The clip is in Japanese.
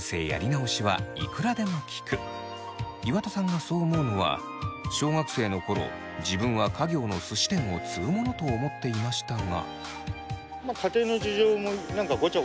岩田さんがそう思うのは小学生の頃自分は家業のすし店を継ぐものと思っていましたが。